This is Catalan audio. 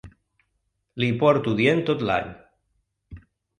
Li hi porto dient tot l’any.